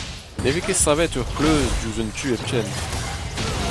Ne vez ket savet ur c'hleuz diouzh un tu hepken.